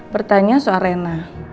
bertanya soal rena